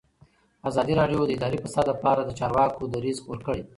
ازادي راډیو د اداري فساد لپاره د چارواکو دریځ خپور کړی.